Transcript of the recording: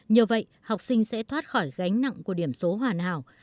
nhờ vậy học sinh sẽ thoát khỏi gánh nặng của điểm số hoàn hảo